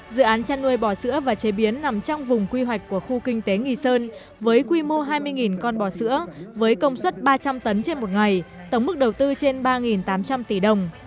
dự án chăn nuôi bò sữa và chế biến nằm trong vùng quy hoạch của khu kinh tế nghì sơn với quy mô hai mươi con bò sữa với công suất ba trăm linh tấn trên một ngày tổng mức đầu tư trên ba tám trăm linh tỷ đồng